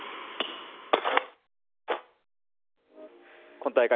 今大会